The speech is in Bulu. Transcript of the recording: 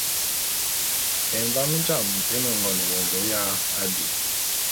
Emvám jām é ne ngon ewondo ya abi.